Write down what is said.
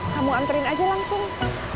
kamu anterin aja langsung